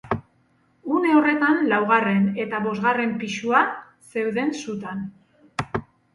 Une horretan laugarren eta bosgarren pisua zeuden sutan.